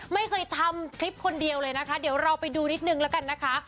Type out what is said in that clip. ไม่เคยทำคลิปคนเดียวเลยนะคะเดี๋ยวเราไปดูนิดนึงแล้วกันนะคะ